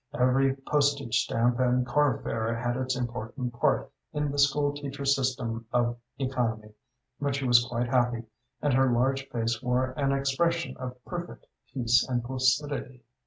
Every postage stamp and car fare had its important part in the school teacher's system of economy; but she was quite happy, and her large face wore an expression of perfect peace and placidity.